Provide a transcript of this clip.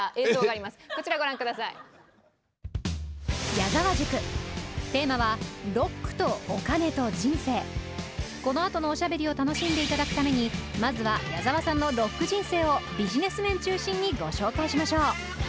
「矢沢塾」テーマはこのあとのおしゃべりを楽しんで頂くためにまずは矢沢さんのロック人生をビジネス面中心にご紹介しましょう。